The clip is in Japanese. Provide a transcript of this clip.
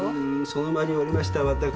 その場におりました私。